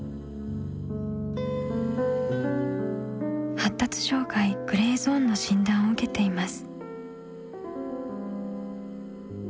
「発達障害グレーゾーンの診断を受けています」。